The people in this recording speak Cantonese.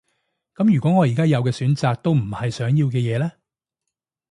噉如果我而家有嘅選擇都唔係想要嘅嘢呢？